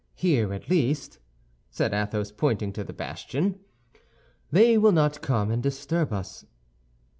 Here at least," said Athos, pointing to the bastion, "they will not come and disturb us."